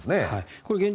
これは現状